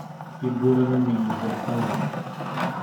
Tiwwura n umeyyez lqayen.